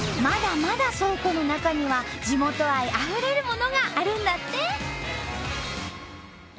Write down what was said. まだまだ倉庫の中には地元愛あふれるものがあるんだって！